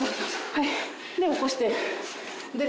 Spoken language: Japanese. はい。